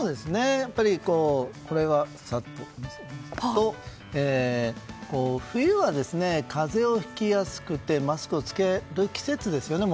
やっぱり冬は風邪をひきやすくてマスクを着ける季節ですよね